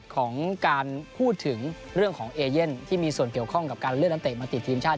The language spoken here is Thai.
ของการพูดถึงเรื่องของเอเย่นที่มีส่วนเกี่ยวข้องกับการเลื่อนนักเตะมาติดทีมชาติ